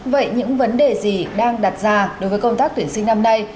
vậy những vấn đề gì đang đặt ra đối với công tác tuyển sinh năm nay